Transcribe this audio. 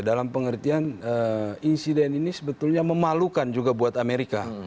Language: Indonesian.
dalam pengertian insiden ini sebetulnya memalukan juga buat amerika